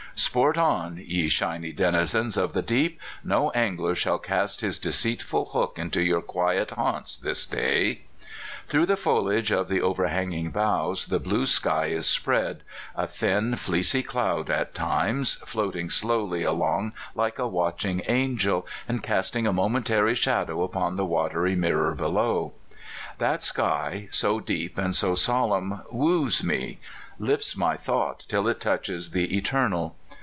Sport on, ye shiny denizens of the deep ; no angler shall cast his deceitful hook into your quiet haunts this day. Through the foliage of the overhanging boughs the blue sky is spread, 246 CALIFORNIA SKETCHES. a thin, fleecy cloud at times floating slowly along like a watching angel, and casting a momentary shadow upon the watery mirror below. That sky, so deep and so solemn, woos me lifts my thought till it touches the Eternal.